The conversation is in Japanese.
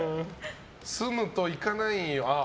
住むと行かないんよ。